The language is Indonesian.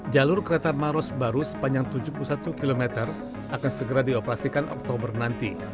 jalur kereta maros baru sepanjang tujuh puluh satu km akan segera dioperasikan oktober nanti